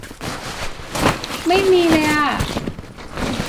ไม่มีเลยอ๊ะ